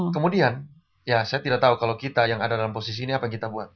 kemudian ya saya tidak tahu kalau kita yang ada dalam posisi ini apa yang kita buat